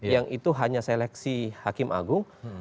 yang itu hanya seleksi hakim agung